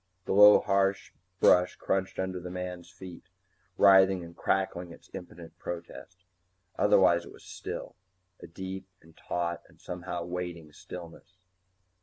The low harsh brush crunched under the man's feet, writhing and crackling its impotent protest. Otherwise it was still, a deep and taut and somehow waiting stillness.